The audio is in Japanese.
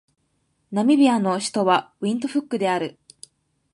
ナミビアの首都はウィントフックである